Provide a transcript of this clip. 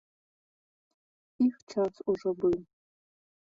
Іх час ужо быў.